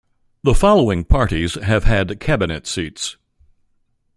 The following parties have had cabinet seats.